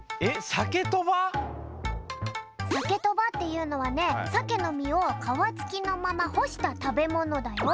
サケとばっていうのはねサケの身をかわつきのまま干した食べものだよ。